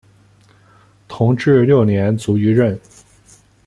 同治六年卒于任。